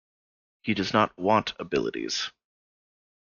He does not want abilities.